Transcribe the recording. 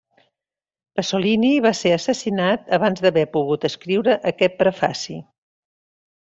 Pasolini va ser assassinat abans d'haver pogut escriure aquest prefaci.